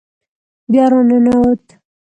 بیا را ننوت.